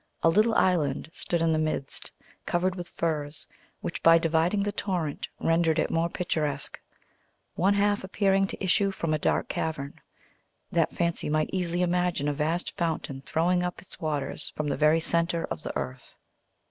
A little island stood in the midst, covered with firs, which, by dividing the torrent, rendered it more picturesque; one half appearing to issue from a dark cavern, that fancy might easily imagine a vast fountain throwing up its waters from the very centre of the earth.